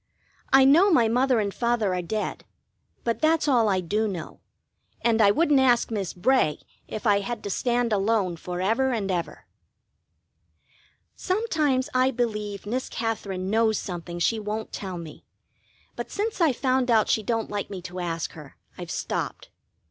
I know my mother and father are dead, but that's all I do know; and I wouldn't ask Miss Bray if I had to stand alone for ever and ever. Sometimes I believe Miss Katherine knows something she won't tell me, but since I found out she don't like me to ask her I've stopped.